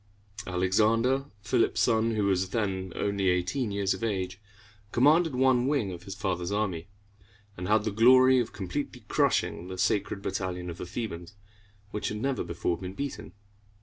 Alexander, Philip's son, who was then only eighteen years of age, commanded one wing of his father's army, and had the glory of completely crushing the Sacred Battalion of the Thebans, which had never before been beaten.